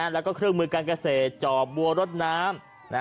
แล้วก็เครื่องมือการเกษตรจอบบัวรถน้ำ